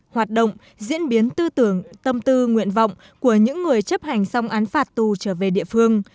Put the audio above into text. hoạt động diễn biến tư tưởng tâm tư nguyện vọng của những người chấp hành xong án phạt tù trở về địa phương